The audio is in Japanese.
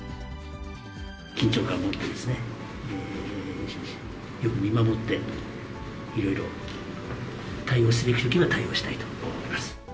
緊張感を持って、よく見守って、いろいろ対応すべきときは対応したいと思います。